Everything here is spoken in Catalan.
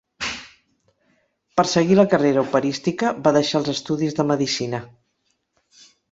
Per seguir la carrera operística, va deixar els estudis de Medicina.